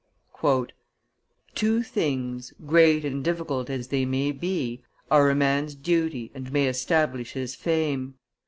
1775 1783. "Two things, great and difficult as they may be, are a man's duty and may establish his fame.